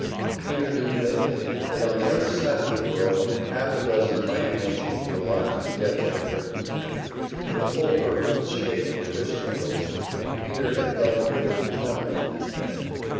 Peter knew vaguely that on the other side of the world half a dozen mighty nations were locked together in a grip of death; the whole earth was shaken with their struggles, and Peter had felt a bit of the trembling now and then.